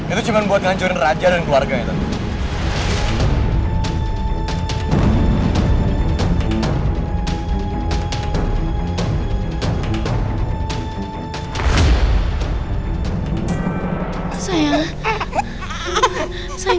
itu cuma buat ngancurin raja dan keluarganya tante